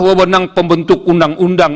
wawenang pembentuk undang undang